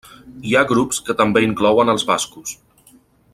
Hi ha grups que també inclouen als bascos.